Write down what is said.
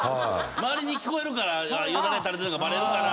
周りに聞こえるからヨダレ垂れてたんがバレるから。